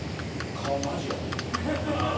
顔マジやもんな。